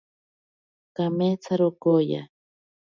Kametsaro kooya.